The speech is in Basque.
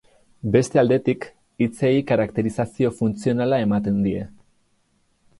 Beste aldetik, hitzei karakterizazio funtzionala ematen die.